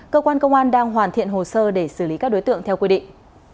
cơ quan công an đang hoàn thiện hồ sơ để xử lý các đối tượng theo quy định